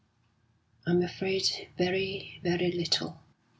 "I'm afraid very, very little."